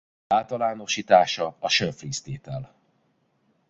Általánosítása a Schönflies-tétel.